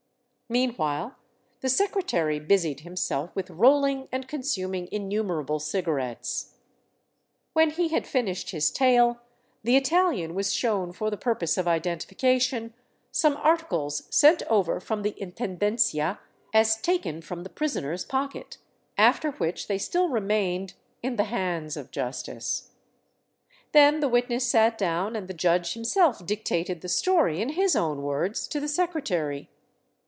Meanwhile the secretary busied himself with roll ing and consuming innumerable cigarettes. When he had finished his tale, the Italian was shown for the purpose of identification some arti " cles sent over from the Intendencia as taken from the prisoner's pocket, after which they still remained " in the hands of justice." Then the witness sat down and the judge himself dictated the story in his own words to the secretary.